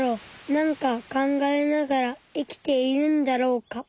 なんか考えながら生きているんだろうか。